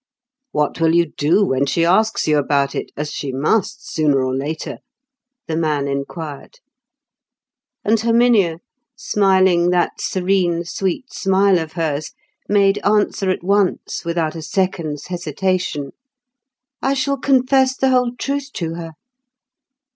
"What will you do when she asks you about it, as she must, sooner or later?" the man inquired. And Herminia, smiling that serene sweet smile of hers, made answer at once without a second's hesitation, "I shall confess the whole truth to her."